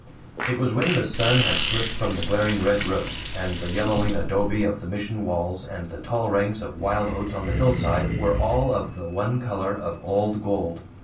It was when the sun had slipped from the glaring red roofs, and the yellowing adobe of the Mission walls and the tall ranks of wild oats on the hillside were all of the one color of old gold.